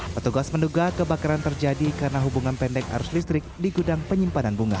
petugas menduga kebakaran terjadi karena hubungan pendek arus listrik di gudang penyimpanan bunga